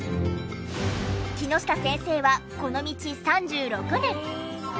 木下先生はこの道３６年。